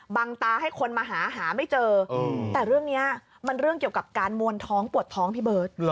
ตาให้คนมาหาหาไม่เจอแต่เรื่องนี้มันเรื่องเกี่ยวกับการมวลท้องปวดท้องพี่เบิร์ต